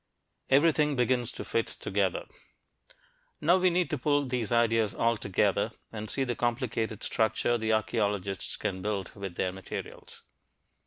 EVERYTHING BEGINS TO FIT TOGETHER Now we need to pull these ideas all together and see the complicated structure the archeologists can build with their materials.